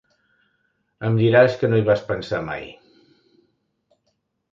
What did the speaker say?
Em diràs que no hi vas pensar mai.